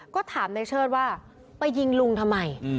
ก็ถามในเชิดว่าไปยิงลุงทำไม